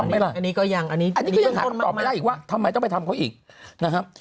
อันนี้ก็ยังอันนี้ยังหาคำตอบไม่ได้อีกว่าทำไมต้องไปทำเขาอีกนะครับ